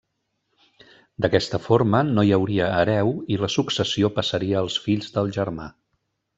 D'aquesta forma, no hi hauria hereu i la successió passaria als fills del germà.